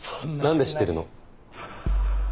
何で知ってるの？